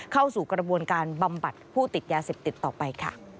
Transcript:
เข้าสู่กระบวนการบำบัดผู้ติดยาเสพติดต่อไปค่ะ